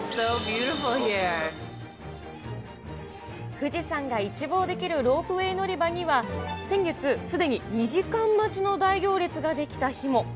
富士山が一望できるロープウエー乗り場には、先月、すでに２時間待ちの大行列が出来た日も。